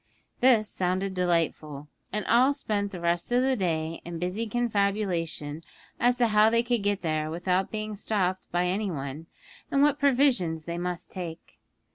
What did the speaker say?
This sounded delightful, and all spent the rest of the day in busy confabulation as to how they could get there without being stopped by any one, and what provisions they must take.